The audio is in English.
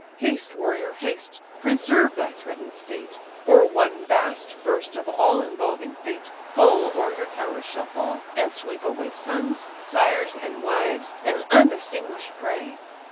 Haste, warrior, haste! preserve thy threaten'd state, Or one vast burst of all involving fate Full o'er your towers shall fall, and sweep away Sons, sires, and wives, an undistinguish'd prey.